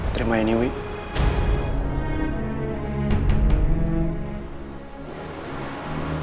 terima ini wih